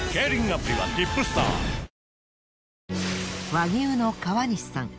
和牛の川西さん。